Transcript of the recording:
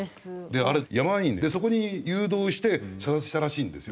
あれ山にそこに誘導して射殺したらしいんですよ。